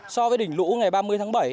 so với đỉnh lũ ngày ba mươi tháng bảy